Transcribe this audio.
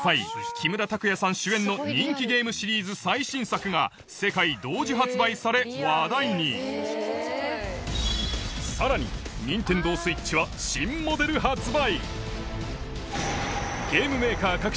木村拓哉さん主演の人気ゲームシリーズ最新作が世界同時発売され話題にさらには新モデル発売